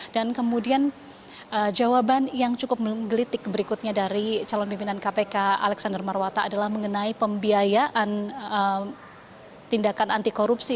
dan kemudian jawaban yang cukup menggelitik berikutnya dari calon pimpinan kpk alexander marwata adalah mengenai pembiayaan tindakan anti korupsi